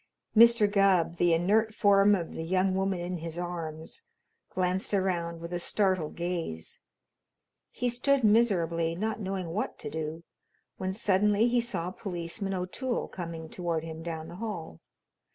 Mr. Gubb, the inert form of the young woman in his arms, glanced around with a startled gaze. He stood miserably, not knowing what to do, when suddenly he saw Policeman O'Toole coming toward him down the hall.